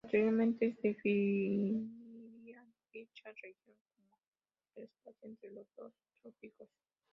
Posteriormente se definiría dicha región como el espacio entre los dos trópicos.